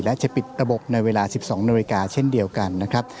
และจะปิดระบบในเวลา๑๒นาฬิกาเช่นเดียวกันนะครับ